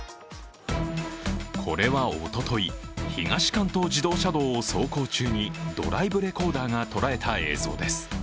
これはおととい、東関東自動車道を走行中にドライブレコーダーが捉えた映像です。